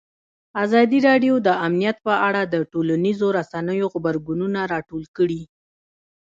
ازادي راډیو د امنیت په اړه د ټولنیزو رسنیو غبرګونونه راټول کړي.